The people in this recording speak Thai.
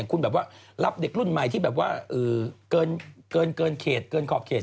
คุณแบบว่ารับเด็กรุ่นใหม่ที่แบบว่าเกินเขตเกินขอบเขต